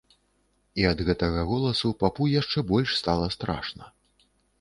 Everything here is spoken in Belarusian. І ад гэтага голасу папу яшчэ больш стала страшна.